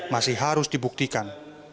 masih harus dibuktikan